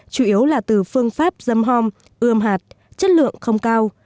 chủ yếu là từ phương pháp dâm hôm ươm hạt chất lượng không cao